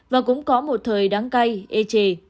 và cũng có một thời đáng cay ê trề